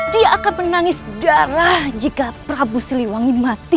dia akan menangis darah jika prabu siliwangi mati